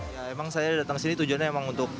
memang saya datang sini tujuannya untuk